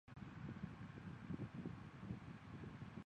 为醛糖的醛基被氧化为羧基而成。